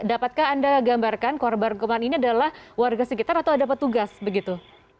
dapatkah anda gambarkan korban korban ini adalah warga sekitar atau ada petugas begitu